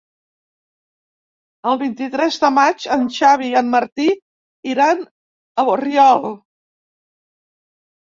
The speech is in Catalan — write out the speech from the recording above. El vint-i-tres de maig en Xavi i en Martí iran a Borriol.